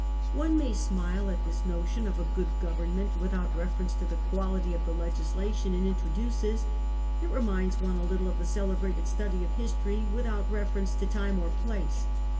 One may smile at this notion of a good government without reference to the quality of the legislation it introduces ; it reminds one a little of the celebrated study of history without reference to time or place.